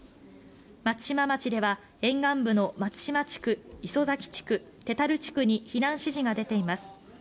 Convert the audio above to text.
松島町では、沿岸部の松島地区、磯崎地区手樽地区に避難指示が出ています。